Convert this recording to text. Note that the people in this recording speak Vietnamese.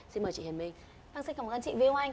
xin mời chị hiền minh